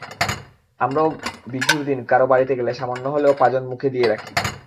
আমরাও বিঝুর দিন কারও বাড়িতে গেলে সামান্য হলেও পাজন মুখে দিয়ে দেখি।